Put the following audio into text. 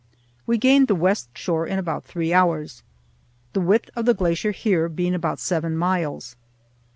We gained the west shore in about three hours; the width of the glacier here being about seven miles.